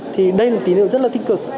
thì đây là tỷ lệ rất là tích cực